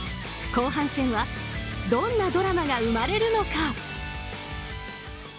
後半戦はどんなドラマが生まれるのか。